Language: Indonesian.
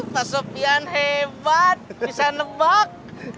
pak sofyan hebat bisa nebak